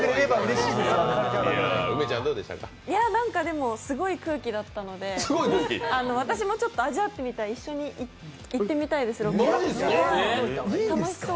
なんか、すごい空気だったので、私も味わってみたい、一緒に行ってみたいです、ロケ、楽しそう。